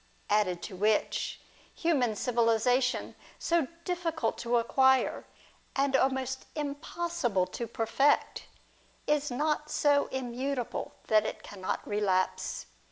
Added to which, human civilisation, so difficult to acquire, and almost impossible to perfect, is not so immutable that it cannot relapse.